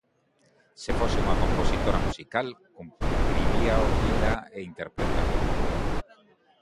Se fose unha compositora musical, cumpriría ouvila e interpretala.